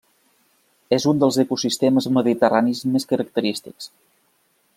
És un dels ecosistemes mediterranis més característics.